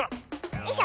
よいしょ。